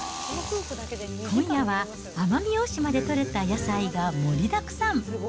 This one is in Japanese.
今夜は奄美大島で取れた野菜が盛りだくさん。